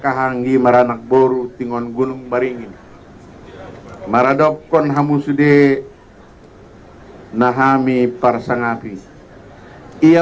dianggih maranak baru tingon gunung baringin maradok konhamu sude nahami parsangapi ia